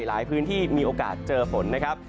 หลายพื้นที่มีโอกาสเจอฝนนะครับ